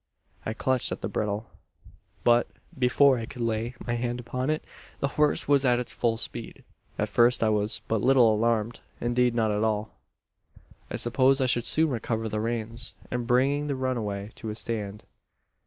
"I clutched at the bridle; but, before I could lay my hand upon it, the horse was at his full speed. "At first I was but little alarmed; indeed not at all. I supposed I should soon recover the reins, and bring the runaway to a stand.